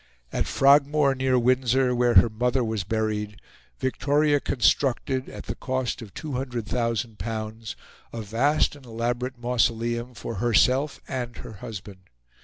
At Frogmore, near Windsor, where her mother was buried, Victoria constructed, at the cost of L200,000, a vast and elaborate mausoleum for herself and her husband.